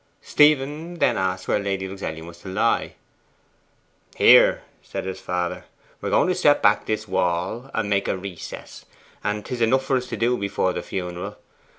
Stephen then asked where Lady Luxellian was to lie. 'Here,' said his father. 'We are going to set back this wall and make a recess; and 'tis enough for us to do before the funeral.